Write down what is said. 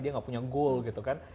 dia nggak punya goal gitu kan